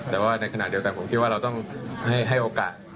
แต่ว่าในขณะเดียวกันผมคิดว่าเราต้องให้โอกาส